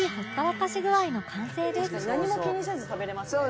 「確かに何も気にせず食べれますね」